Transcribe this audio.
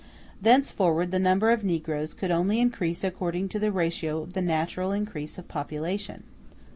Thenceforward the number of negroes could only increase according to the ratio of the natural increase of population.